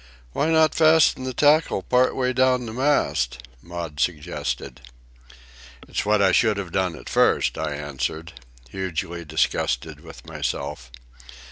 "Why not fasten the tackle part way down the mast?" Maud suggested. "It's what I should have done at first," I answered, hugely disgusted with myself.